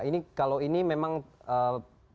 ini kalau ini memang ee